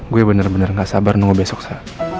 gue bener bener gak sabar nunggu besok saya